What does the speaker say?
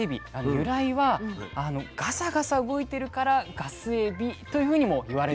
由来はガサガサ動いてるからガスエビというふうにもいわれているんです。